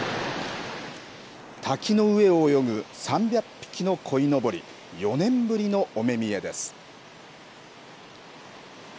滝の上を泳ぐ３００匹のこいのぼり４年ぶりのお目見えです。